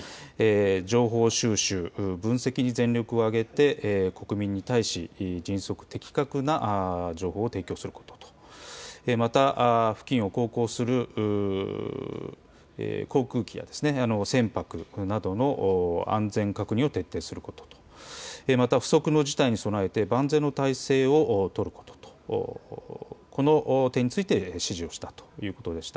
情報収集・分析に全力を挙げて国民に対し迅速、的確な情報を提供すること、また、付近を航行する航空機や船舶などの安全の確認を徹底する、また不測の事態に備えて万全の態勢を取ること、この点について指示をしたということでした。